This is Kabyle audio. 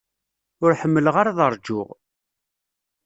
Ur ḥemmleɣ ara ad rǧuɣ.